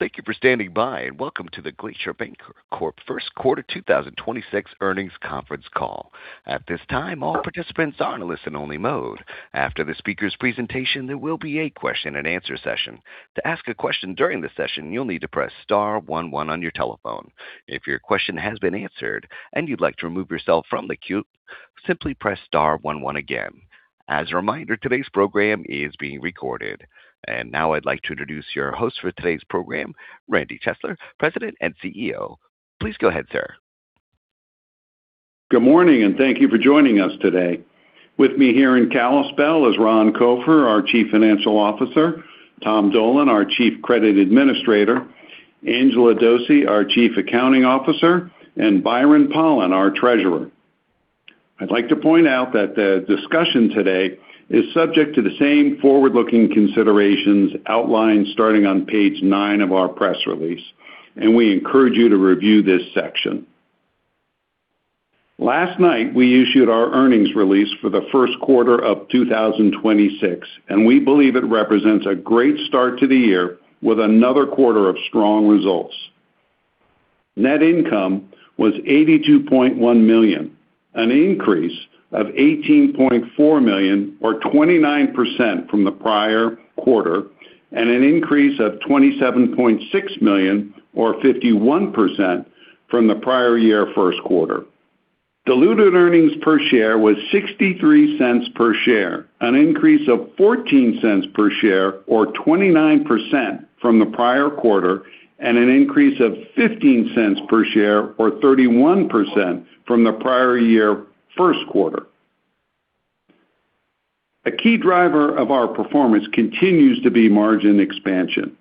Thank you for standing by, and welcome to the Glacier Bancorp, Inc. first quarter 2026 earnings conference call. At this time, all participants are in a listen-only mode. After the speaker's presentation, there will be a question and answer session. To ask a question during the session, you'll need to press star one one on your telephone. If your question has been answered and you'd like to remove yourself from the queue, simply press star one one again. As a reminder, today's program is being recorded. Now I'd like to introduce your host for today's program, Randy Chesler, President and CEO. Please go ahead, sir. Good morning, and thank you for joining us today. With me here in Kalispell is Ron Copher, our Chief Financial Officer, Tom Dolan, our Chief Credit Administrator, Angela Dose, our Chief Accounting Officer, and Byron Pollan, our Treasurer. I'd like to point out that the discussion today is subject to the same forward-looking considerations outlined starting on page 9 of our press release, and we encourage you to review this section. Last night, we issued our earnings release for the first quarter of 2026, and we believe it represents a great start to the year with another quarter of strong results. Net income was $82.1 million, an increase of $18.4 million or 29% from the prior quarter and an increase of $27.6 million or 51% from the prior year first quarter. Diluted earnings per share was $0.63 per share, an increase of $0.14 per share or 29% from the prior quarter and an increase of $0.15 per share or 31% from the prior year first quarter. A key driver of our performance continues to be margin expansion.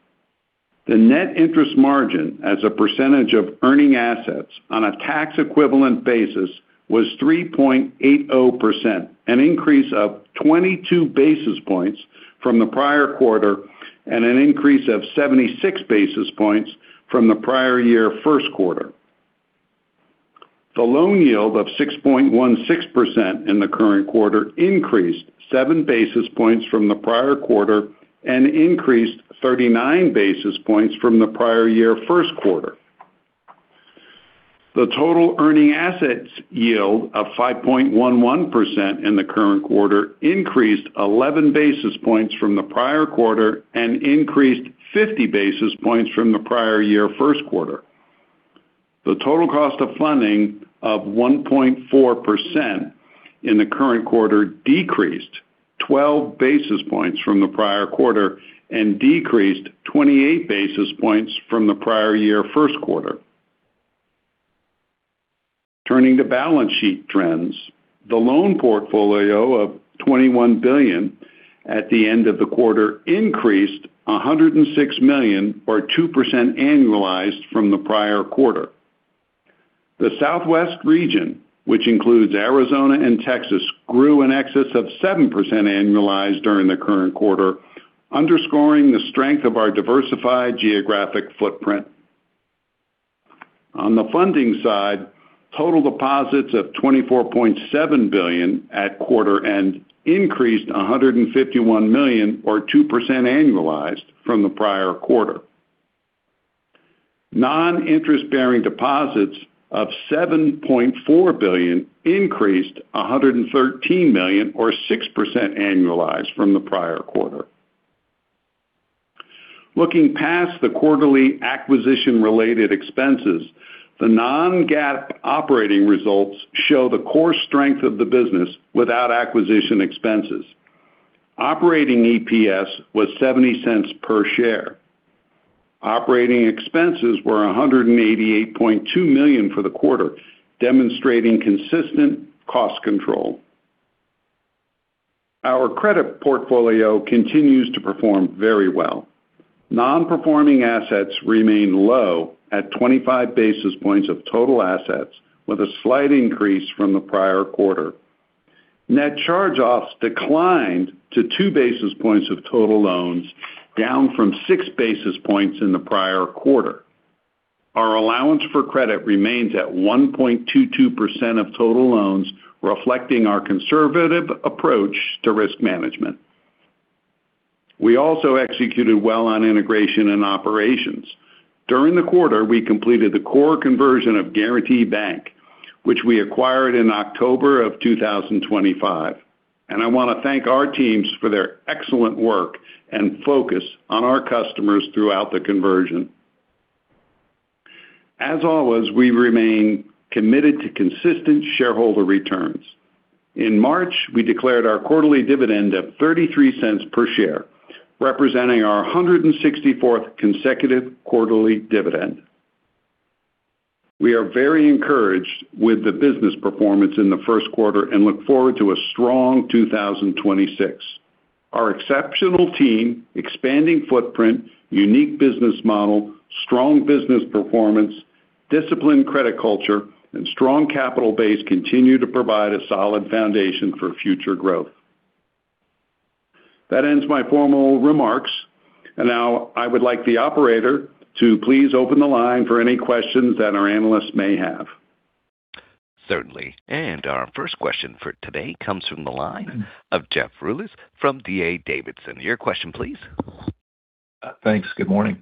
The net interest margin as a percentage of earning assets on a tax equivalent basis was 3.80%, an increase of 22 basis points from the prior quarter and an increase of 76 basis points from the prior year first quarter. The loan yield of 6.16% in the current quarter increased 7 basis points from the prior quarter and increased 39 basis points from the prior year first quarter. The total earning assets yield of 5.11% in the current quarter increased 11 basis points from the prior quarter and increased 50 basis points from the prior year first quarter. The total cost of funding of 1.4% in the current quarter decreased 12 basis points from the prior quarter and decreased 28 basis points from the prior year first quarter. Turning to balance sheet trends, the loan portfolio of $21 billion at the end of the quarter increased $106 million or 2% annualized from the prior quarter. The Southwest region, which includes Arizona and Texas, grew in excess of 7% annualized during the current quarter, underscoring the strength of our diversified geographic footprint. On the funding side, total deposits of $24.7 billion at quarter end increased $151 million or 2% annualized from the prior quarter. Non-interest-bearing deposits of $7.4 billion increased $113 million or 6% annualized from the prior quarter. Looking past the quarterly acquisition-related expenses, the non-GAAP operating results show the core strength of the business without acquisition expenses. Operating EPS was $0.70 per share. Operating expenses were $188.2 million for the quarter, demonstrating consistent cost control. Our credit portfolio continues to perform very well. Non-performing assets remain low at 25 basis points of total assets with a slight increase from the prior quarter. Net charge-offs declined to 2 basis points of total loans, down from 6 basis points in the prior quarter. Our allowance for credit remains at 1.22% of total loans, reflecting our conservative approach to risk management. We also executed well on integration and operations. During the quarter, we completed the core conversion of Guaranty Bank, which we acquired in October of 2025. I want to thank our teams for their excellent work and focus on our customers throughout the conversion. As always, we remain committed to consistent shareholder returns. In March, we declared our quarterly dividend of $0.33 per share, representing our 164th consecutive quarterly dividend. We are very encouraged with the business performance in the first quarter and look forward to a strong 2026. Our exceptional team, expanding footprint, unique business model, strong business performance, disciplined credit culture, and strong capital base continue to provide a solid foundation for future growth. That ends my formal remarks. Now I would like the operator to please open the line for any questions that our analysts may have. Certainly. Our first question for today comes from the line of Jeff Rulis from D.A. Davidson. Your question, please. Thanks. Good morning.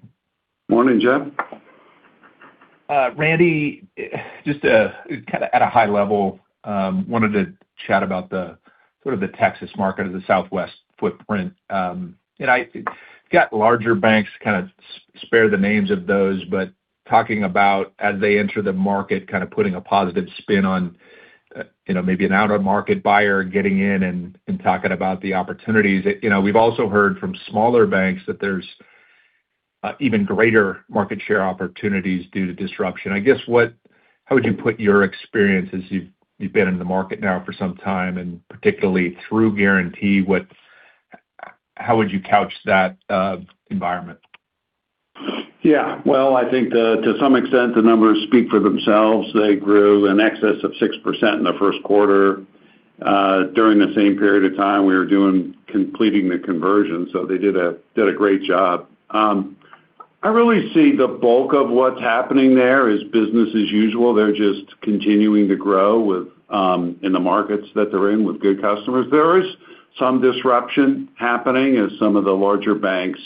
Morning, Jeff. Randy, just kind of at a high level, wanted to chat about the Texas market or the Southwest footprint. You got larger banks, kind of sparing the names of those, but talking about as they enter the market, kind of putting a positive spin on maybe an out-of-market buyer getting in and talking about the opportunities. We've also heard from smaller banks that there's even greater market share opportunities due to disruption. I guess, how would you put your experience, as you've been in the market now for some time, and particularly through Guaranty, how would you couch that environment? Yeah. Well, I think to some extent, the numbers speak for themselves. They grew in excess of 6% in the first quarter. During the same period of time, we were completing the conversion. So they did a great job. I really see the bulk of what's happening there is business as usual. They're just continuing to grow in the markets that they're in with good customers. There is some disruption happening as some of the larger banks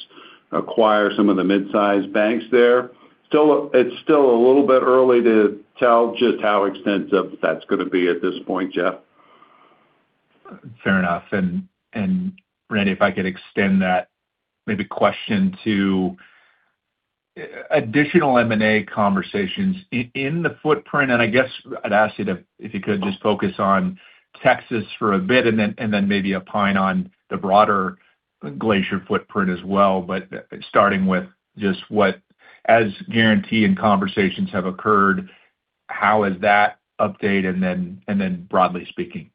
acquire some of the mid-size banks there. It's still a little bit early to tell just how extensive that's going to be at this point, Jeff. Fair enough. Randy, if I could extend that maybe question to additional M&A conversations in the footprint, and I guess I'd ask you to, if you could, just focus on Texas for a bit and then maybe opine on the broader Glacier footprint as well, but starting with just what, as Guaranty and conversations have occurred, how has that updated, and then broadly speaking.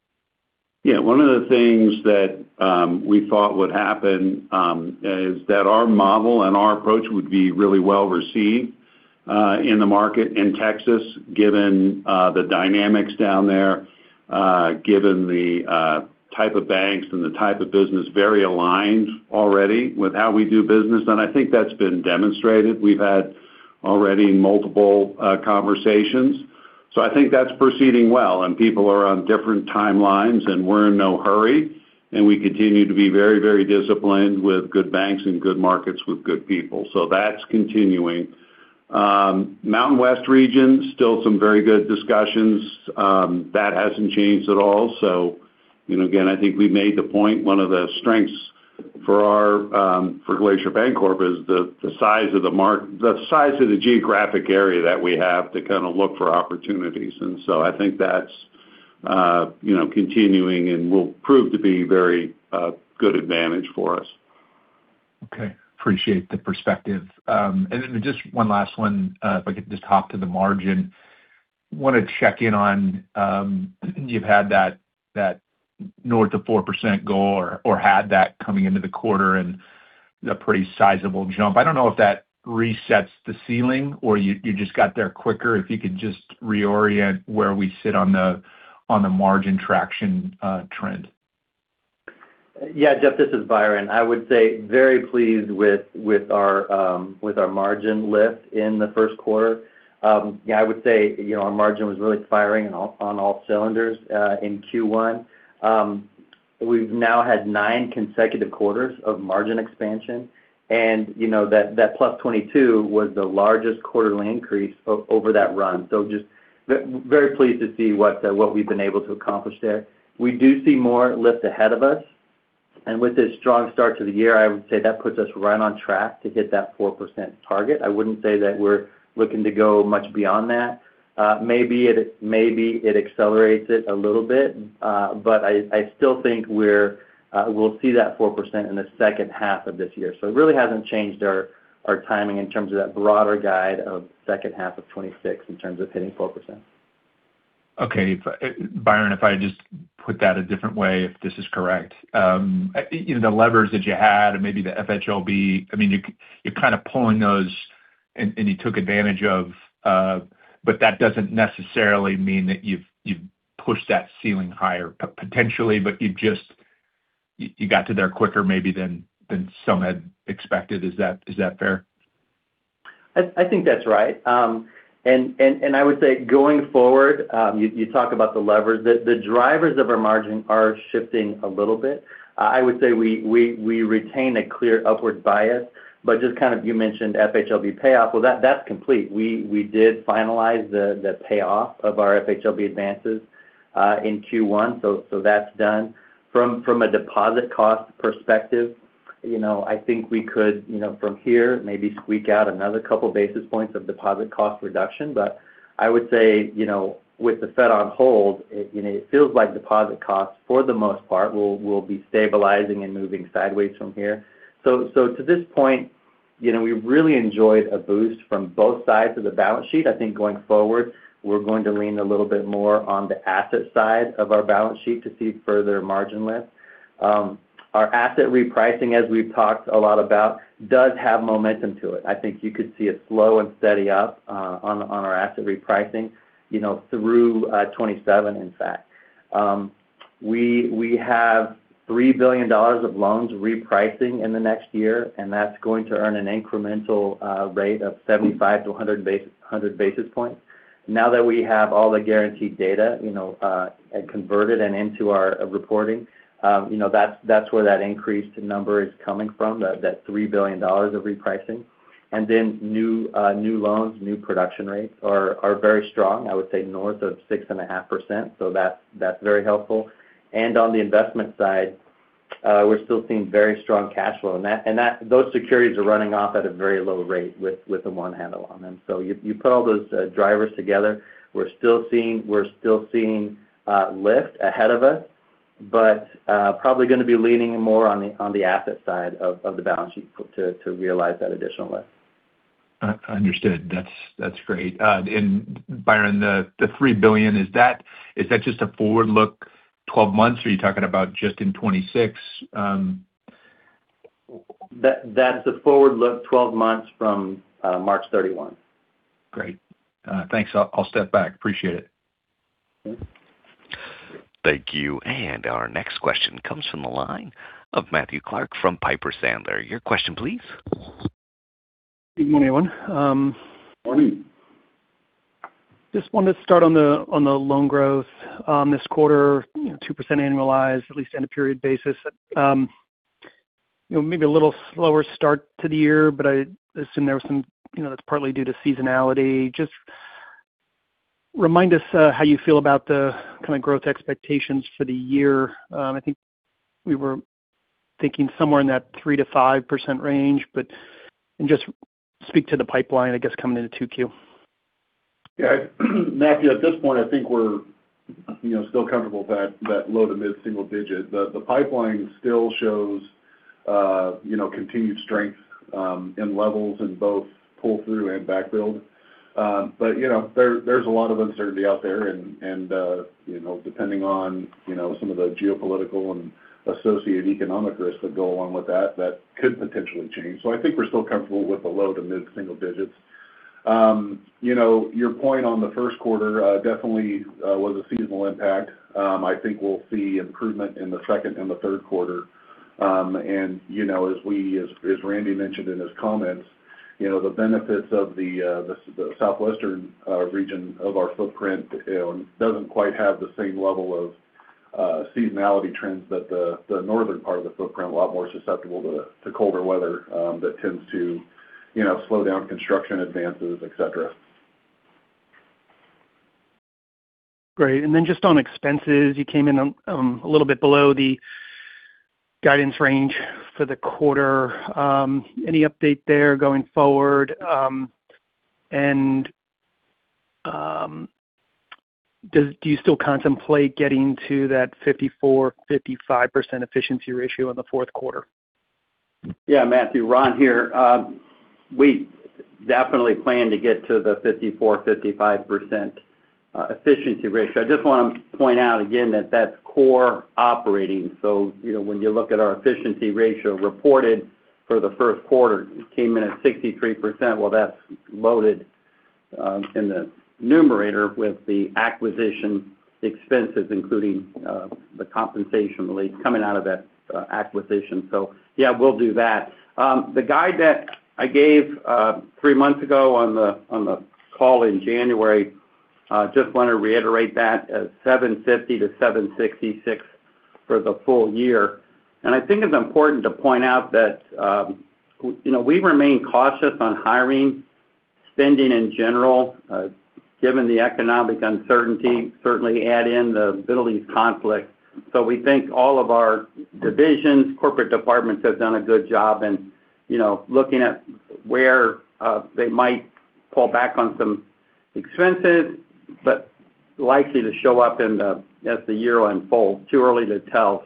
Yeah. One of the things that we thought would happen is that our model and our approach would be really well-received in the market in Texas, given the dynamics down there, given the type of banks and the type of business, very aligned already with how we do business. I think that's been demonstrated. We've had already multiple conversations. I think that's proceeding well, and people are on different timelines, and we're in no hurry, and we continue to be very disciplined with good banks and good markets with good people. That's continuing. Mountain West region, still some very good discussions. That hasn't changed at all. Again, I think we made the point, one of the strengths for Glacier Bancorp is the size of the geographic area that we have to kind of look for opportunities. I think that's continuing and will prove to be very good advantage for us. Okay. Appreciate the perspective. Just one last one, if I could just hop to the margin. Want to check in on, you've had that north of 4% goal or had that coming into the quarter and a pretty sizable jump. I don't know if that resets the ceiling or you just got there quicker. If you could just reorient where we sit on the margin traction trend. Yeah. Jeff, this is Byron. I would say very pleased with our margin lift in the first quarter. Yeah, I would say our margin was really firing on all cylinders in Q1. We've now had nine consecutive quarters of margin expansion, and that +22 was the largest quarterly increase over that run. Just very pleased to see what we've been able to accomplish there. We do see more lift ahead of us. With this strong start to the year, I would say that puts us right on track to hit that 4% target. I wouldn't say that we're looking to go much beyond that. Maybe it accelerates it a little bit. I still think we'll see that 4% in the second half of this year. It really hasn't changed our timing in terms of that broader guide of second half of 2026 in terms of hitting 4%. Okay. Byron, if I just put that a different way, if this is correct, the levers that you had and maybe the FHLB, I mean, you're kind of pulling those, and you took advantage of, but that doesn't necessarily mean that you've pushed that ceiling higher. Potentially, but you got to there quicker maybe than some had expected. Is that fair? I think that's right. I would say, going forward, you talk about the levers. The drivers of our margin are shifting a little bit. I would say we retain a clear upward bias, but just kind of, you mentioned FHLB payoff. Well, that's complete. We did finalize the payoff of our FHLB advances in Q1. That's done. From a deposit cost perspective, I think we could, from here, maybe squeak out another couple basis points of deposit cost reduction. I would say, with the Fed on hold, it feels like deposit costs, for the most part, will be stabilizing and moving sideways from here. To this point, we've really enjoyed a boost from both sides of the balance sheet. I think going forward, we're going to lean a little bit more on the asset side of our balance sheet to see further margin lift. Our asset repricing, as we've talked a lot about, does have momentum to it. I think you could see it slow and steady up on our asset repricing through 2027, in fact. We have $3 billion of loans repricing in the next year, and that's going to earn an incremental rate of 75-100 basis points. Now that we have all the Guaranty data converted and into our reporting, that's where that increased number is coming from, that $3 billion of repricing. New loans, new production rates are very strong, I would say north of 6.5%, so that's very helpful. On the investment side, we're still seeing very strong cash flow. Those securities are running off at a very low rate with the one handle on them. You put all those drivers together, we're still seeing lift ahead of us, but probably going to be leaning more on the asset side of the balance sheet to realize that additional lift. Understood. That's great. Byron, the $3 billion, is that just a forward look 12 months or are you talking about just in 2026? That's a forward look 12 months from March 31. Great. Thanks. I'll step back. Appreciate it. Thank you. Our next question comes from the line of Matthew Clark from Piper Sandler. Your question, please. Good morning, everyone. Morning. Just wanted to start on the loan growth this quarter, 2% annualized, at least on a period basis. Maybe a little slower start to the year, but I assume that's partly due to seasonality. Just remind us how you feel about the kind of growth expectations for the year. I think we were thinking somewhere in that 3%-5% range, but just speak to the pipeline, I guess, coming into 2Q. Yeah, Matthew, at this point, I think we're still comfortable with that low to mid-single digit. The pipeline still shows continued strength in levels in both pull-through and back build. There's a lot of uncertainty out there, and depending on some of the geopolitical and associated economic risks that go along with that could potentially change. I think we're still comfortable with the low to mid-single digits. Your point on the first quarter definitely was a seasonal impact. I think we'll see improvement in the second and the third quarter. As Randy mentioned in his comments, the benefits of the Southwestern region of our footprint doesn't quite have the same level of seasonality trends that the Northern part of the footprint, a lot more susceptible to colder weather that tends to slow down construction advances, et cetera. Great. Then just on expenses, you came in a little bit below the guidance range for the quarter. Any update there going forward? Do you still contemplate getting to that 54%-55% efficiency ratio in the fourth quarter? Yeah, Matthew, Ron here. We definitely plan to get to the 54%-55% efficiency ratio. I just want to point out again that that's core operating. When you look at our efficiency ratio reported for the first quarter, it came in at 63%. Well, that's loaded in the numerator with the acquisition expenses, including the compensation release coming out of that acquisition. Yeah, we'll do that. The guide that I gave three months ago on the call in January. Just want to reiterate that as 750-766 for the full year. I think it's important to point out that we remain cautious on hiring, spending in general given the economic uncertainty, certainly add in the Middle East conflict. We think all of our divisions, corporate departments have done a good job in looking at where they might pull back on some expenses, but likely to show up as the year unfolds. Too early to tell.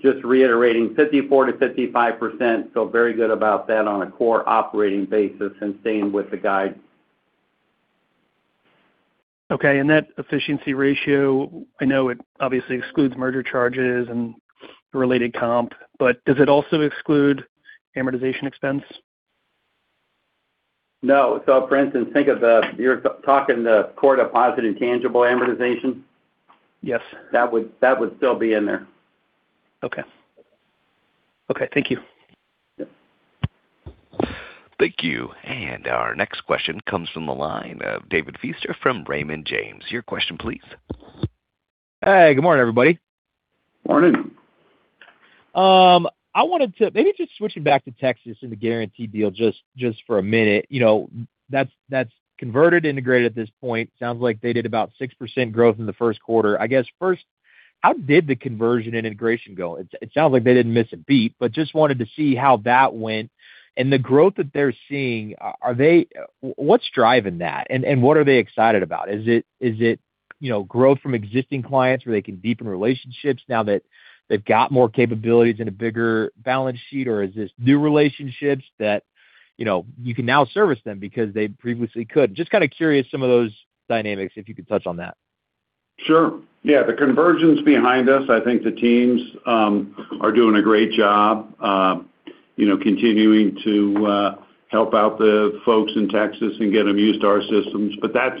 Just reiterating 54%-55%, feel very good about that on a core operating basis and staying with the guide. Okay. That efficiency ratio, I know it obviously excludes merger charges and related comp, but does it also exclude amortization expense? No. For instance, you're talking the core deposit intangible amortization? Yes. That would still be in there. Okay, thank you. Yep. Thank you. Our next question comes from the line of David Feaster from Raymond James. Your question, please. Hey, good morning, everybody. Morning. Maybe just switching back to Texas and the Guaranty deal just for a minute. That's converted, integrated at this point. Sounds like they did about 6% growth in the first quarter. I guess first, how did the conversion and integration go? It sounds like they didn't miss a beat, but just wanted to see how that went. The growth that they're seeing, what's driving that and what are they excited about? Is it growth from existing clients where they can deepen relationships now that they've got more capabilities and a bigger balance sheet? Or is this new relationships that you can now service them because they previously couldn't? Just kind of curious some of those dynamics, if you could touch on that. Sure. Yeah. The convergence behind us, I think the teams are doing a great job. Continuing to help out the folks in Texas and get them used to our systems. That's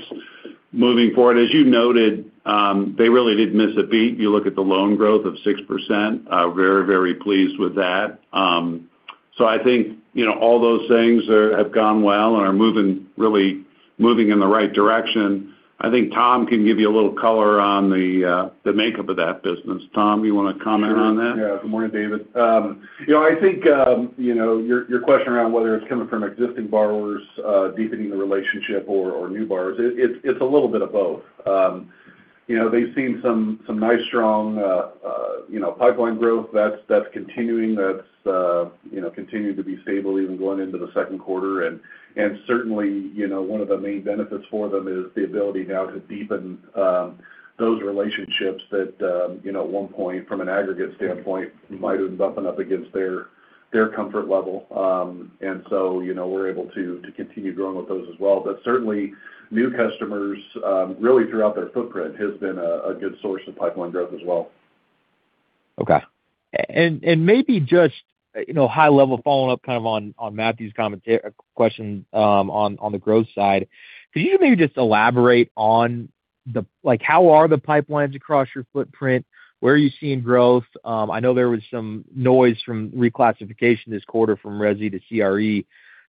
moving forward. As you noted, they really didn't miss a beat. You look at the loan growth of 6%. Very, very pleased with that. I think all those things have gone well and are really moving in the right direction. I think Tom can give you a little color on the makeup of that business. Tom, you want to comment on that? Yeah. Good morning, David. I think your question around whether it's coming from existing borrowers deepening the relationship or new borrowers, it's a little bit of both. They've seen some nice strong pipeline growth that's continuing to be stable even going into the second quarter. Certainly, one of the main benefits for them is the ability now to deepen those relationships that at one point, from an aggregate standpoint, might have been bumping up against their comfort level. We're able to continue growing with those as well. Certainly new customers really throughout their footprint has been a good source of pipeline growth as well. Okay. Maybe just high-level following up on Matthew's question on the growth side, could you maybe just elaborate on how are the pipelines across your footprint? Where are you seeing growth? I know there was some noise from reclassification this quarter from resi to CRE,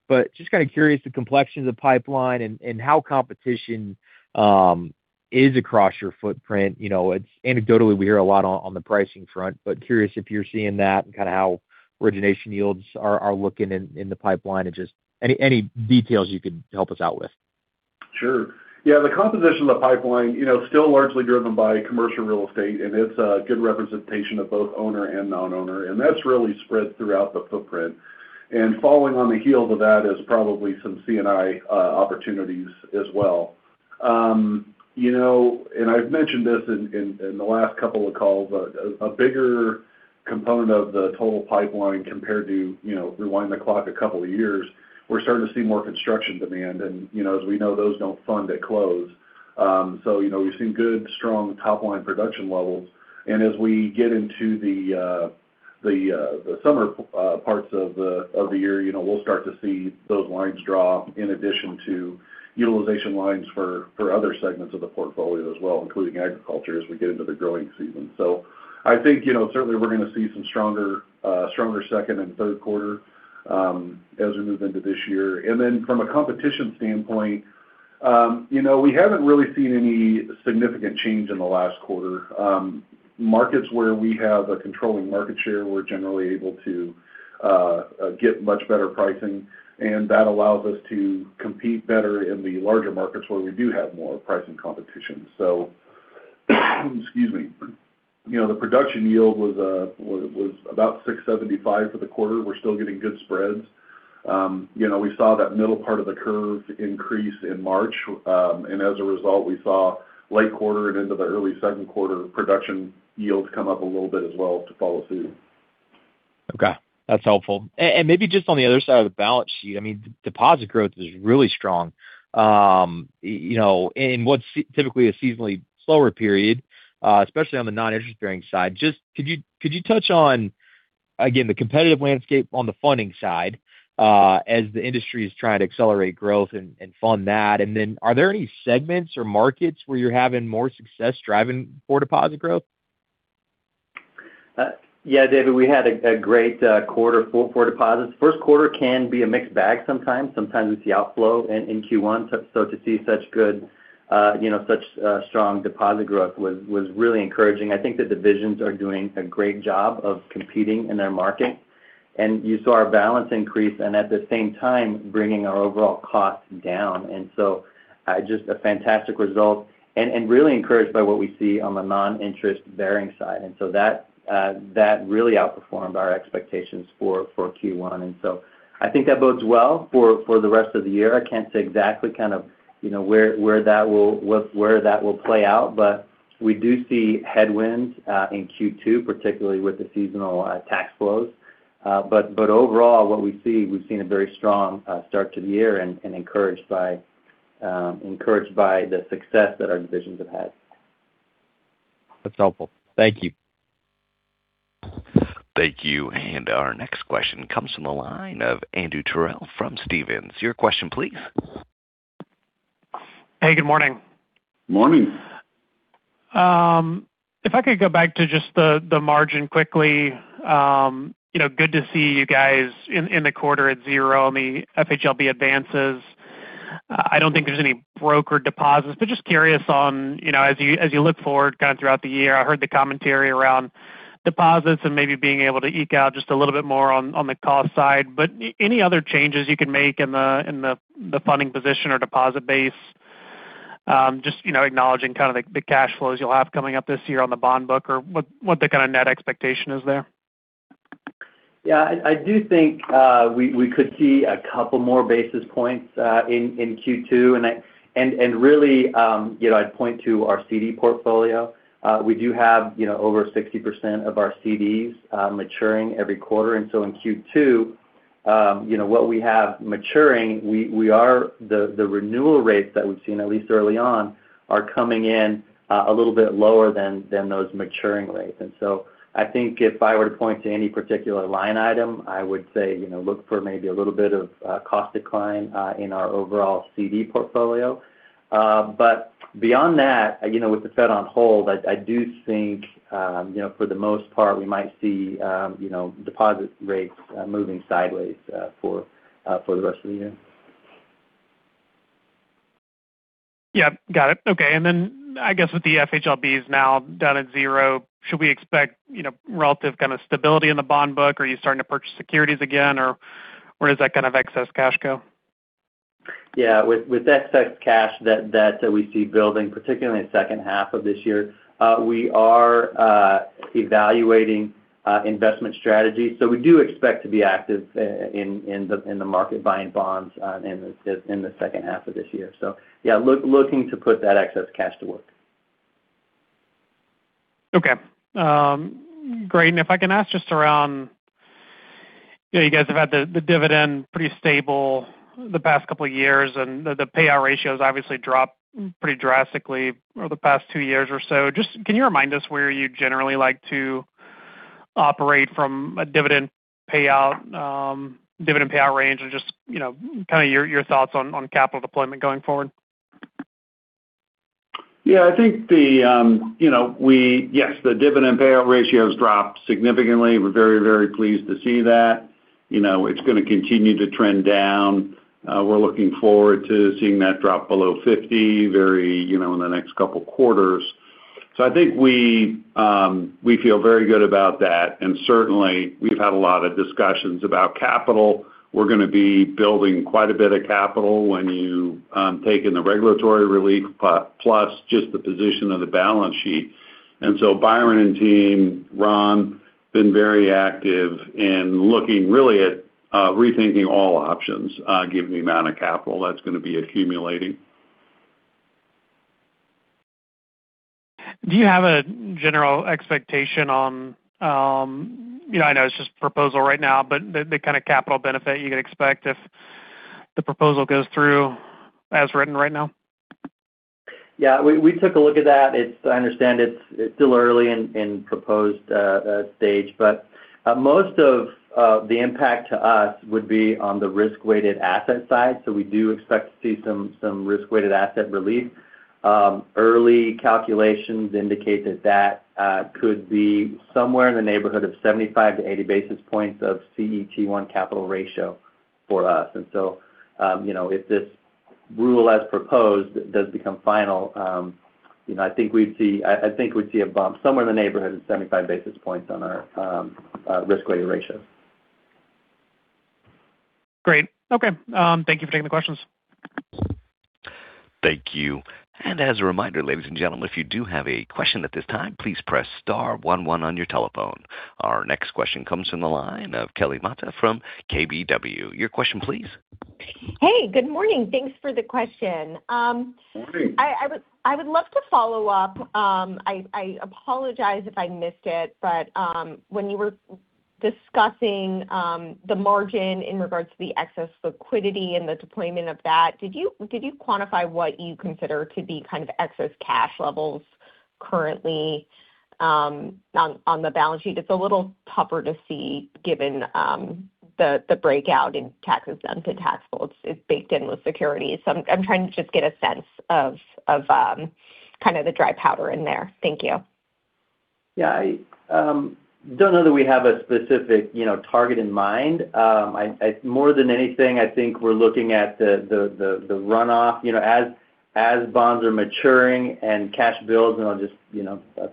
but just kind of curious the complexion of the pipeline and how competition is across your footprint. Anecdotally, we hear a lot on the pricing front, but curious if you're seeing that and kind of how origination yields are looking in the pipeline and just any details you could help us out with. Sure. Yeah. The composition of the pipeline, still largely driven by commercial real estate, and it's a good representation of both owner and non-owner, and that's really spread throughout the footprint. Following on the heels of that is probably some C&I opportunities as well. I've mentioned this in the last couple of calls, but a bigger component of the total pipeline compared to rewinding the clock a couple of years, we're starting to see more construction demand. As we know, those don't fund at close. We've seen good, strong top-line production levels. As we get into the summer parts of the year, we'll start to see those lines drop in addition to utilization lines for other segments of the portfolio as well, including agriculture as we get into the growing season. I think certainly we're going to see some stronger second and third quarter as we move into this year. From a competition standpoint, we haven't really seen any significant change in the last quarter. Markets where we have a controlling market share, we're generally able to get much better pricing, and that allows us to compete better in the larger markets where we do have more pricing competition. The production yield was about 675 for the quarter. We're still getting good spreads. We saw that middle part of the curve increase in March. As a result, we saw late quarter and into the early second quarter production yields come up a little bit as well to follow suit. Okay. That's helpful. Maybe just on the other side of the balance sheet, deposit growth is really strong. In what's typically a seasonally slower period, especially on the non-interest bearing side, just could you touch on, again, the competitive landscape on the funding side as the industry is trying to accelerate growth and fund that? Then are there any segments or markets where you're having more success driving for deposit growth? Yeah, David, we had a great quarter for deposits. First quarter can be a mixed bag sometimes. Sometimes we see outflow in Q1. To see such good, such strong deposit growth was really encouraging. I think the divisions are doing a great job of competing in their market. You saw our balance increase and at the same time bringing our overall costs down. Just a fantastic result and really encouraged by what we see on the non-interest bearing side. That really outperformed our expectations for Q1. I think that bodes well for the rest of the year. I can't say exactly kind of where that will play out. We do see headwinds in Q2, particularly with the seasonal tax flows. Overall, what we see, we've seen a very strong start to the year and encouraged by the success that our divisions have had. That's helpful. Thank you. Thank you. Our next question comes from the line of Andrew Terrell from Stephens. Your question, please. Hey, good morning. Morning. If I could go back to just the margin quickly. Good to see you guys in the quarter at 0 on the FHLB advances. I don't think there's any broker deposits, but just curious on as you look forward kind of throughout the year, I heard the commentary around deposits and maybe being able to eke out just a little bit more on the cost side. But any other changes you can make in the funding position or deposit base, just acknowledging kind of the cash flows you'll have coming up this year on the bond book, or what the kind of net expectation is there? Yeah. I do think we could see a couple more basis points in Q2. Really, I'd point to our CD portfolio. We do have over 60% of our CDs maturing every quarter. In Q2, what we have maturing, the renewal rates that we've seen, at least early on, are coming in a little bit lower than those maturing rates. I think if I were to point to any particular line item, I would say look for maybe a little bit of cost decline in our overall CD portfolio. Beyond that, with the Fed on hold, I do think, for the most part, we might see deposit rates moving sideways for the rest of the year. Yep. Got it. Okay. I guess with the FHLBs now down at 0, should we expect relative kind of stability in the bond book? Are you starting to purchase securities again, or where does that kind of excess cash go? Yeah. With excess cash that we see building, particularly in the second half of this year, we are evaluating investment strategies. We do expect to be active in the market buying bonds in the second half of this year. Yeah, looking to put that excess cash to work. Okay. Great. If I can ask just around, you guys have had the dividend pretty stable the past couple of years, and the payout ratios obviously dropped pretty drastically over the past two years or so. Just can you remind us where you generally like to operate from a dividend payout range and just kind of your thoughts on capital deployment going forward? Yeah. Yes, the dividend payout ratio's dropped significantly. We're very, very pleased to see that. It's going to continue to trend down. We're looking forward to seeing that drop below 50% in the next couple of quarters. I think we feel very good about that, and certainly we've had a lot of discussions about capital. We're going to be building quite a bit of capital when you take in the regulatory relief, plus just the position of the balance sheet. Byron and team, Ron, been very active in looking really at rethinking all options, given the amount of capital that's going to be accumulating. Do you have a general expectation on, I know it's just a proposal right now, but the kind of capital benefit you could expect if the proposal goes through as written right now? Yeah, we took a look at that. I understand it's still early in proposed stage, but most of the impact to us would be on the risk-weighted asset side. We do expect to see some risk-weighted asset relief. Early calculations indicate that that could be somewhere in the neighborhood of 75-80 basis points of CET1 capital ratio for us. If this rule, as proposed, does become final, I think we'd see a bump somewhere in the neighborhood of 75 basis points on our risk-weighting ratio. Great. Okay. Thank you for taking the questions. Thank you. As a reminder, ladies and gentlemen, if you do have a question at this time, please press * one one on your telephone. Our next question comes from the line of Kelly Motta from KBW. Your question, please. Hey, good morning. Thanks for the question. Morning. I would love to follow up. I apologize if I missed it, but when you were discussing the margin in regards to the excess liquidity and the deployment of that, could you quantify what you consider to be kind of excess cash levels currently on the balance sheet? It's a little tougher to see given the breakout in taxable and tax-exempt. It's baked in with securities. I'm trying to just get a sense of kind of the dry powder in there. Thank you. Yeah. I don't know that we have a specific target in mind. More than anything, I think we're looking at the runoff. As bonds are maturing and cash builds, and I'll just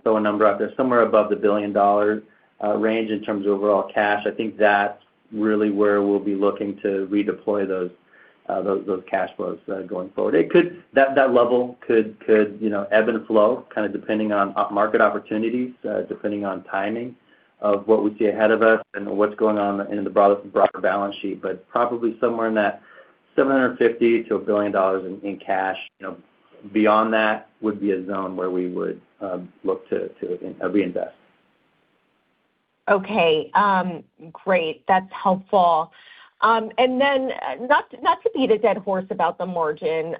throw a number out there, somewhere above the $1 billion range in terms of overall cash. I think that's really where we'll be looking to redeploy those cash flows going forward. That level could ebb and flow kind of depending on market opportunities, depending on timing of what we see ahead of us and what's going on in the broader balance sheet, but probably somewhere in that $750 million-$1 billion in cash. Beyond that would be a zone where we would look to reinvest. Okay. Great. That's helpful. Then not to beat a dead horse about the margin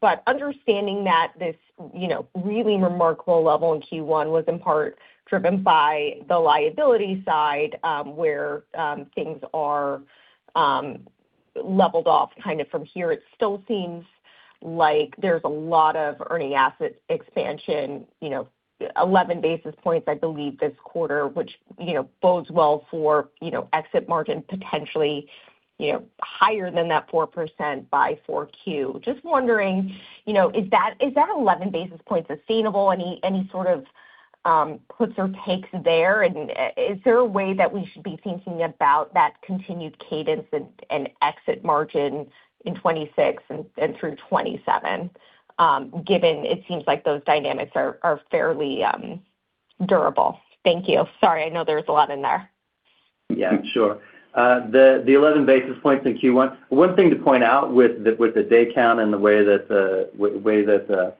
but understanding that this really remarkable level in Q1 was in part driven by the liability side, where things are leveled off kind of from here. It still seems like there's a lot of earning asset expansion, 11 basis points, I believe, this quarter, which bodes well for exit margin, potentially higher than that 4% by 4Q. Just wondering is that 11 basis points sustainable? Any sort of puts or takes there? Is there a way that we should be thinking about that continued cadence and exit margin in 2026 and through 2027 given it seems like those dynamics are fairly durable. Thank you. Sorry, I know there was a lot in there. Yeah, sure. The 11 basis points in Q1. One thing to point out with the day count and the way that the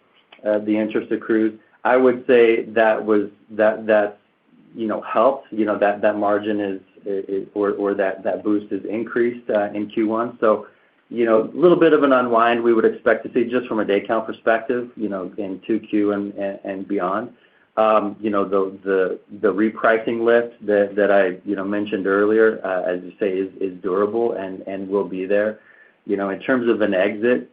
interest accrues, I would say that helped. That margin is or that boost is increased in Q1. Little bit of an unwind we would expect to see just from a day count perspective in 2Q and beyond. The repricing lift that I mentioned earlier as you say is durable and will be there. In terms of an exit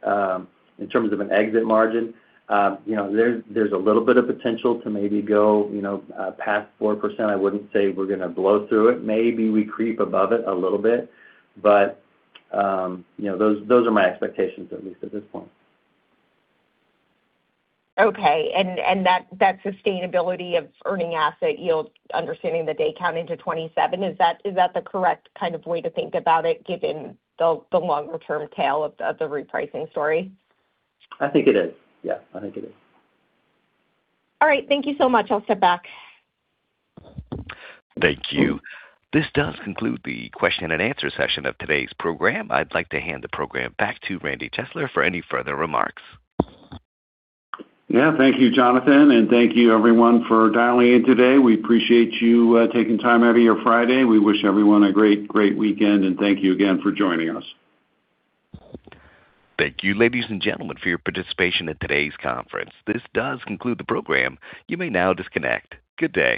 margin there's a little bit of potential to maybe go past 4%. I wouldn't say we're going to blow through it. Maybe we creep above it a little bit. Those are my expectations, at least at this point. Okay. That sustainability of earning asset yield, understanding the day count into 2027, is that the correct kind of way to think about it given the longer-term tail of the repricing story? I think it is. Yeah. I think it is. All right. Thank you so much. I'll step back. Thank you. This does conclude the question and answer session of today's program. I'd like to hand the program back to Randy Chesler for any further remarks. Yeah. Thank you, Jonathan, and thank you everyone for dialing in today. We appreciate you taking time out of your Friday. We wish everyone a great weekend, and thank you again for joining us. Thank you, ladies and gentlemen, for your participation in today's conference. This does conclude the program. You may now disconnect. Good day.